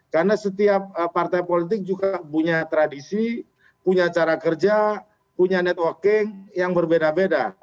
karena setiap partai politik juga punya tradisi punya cara kerja punya networking yang berbeda beda